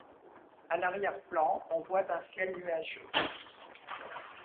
A l’arrière-plan, on voit un ciel nuageux.